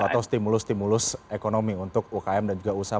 atau stimulus stimulus ekonomi untuk ukm dan juga usaha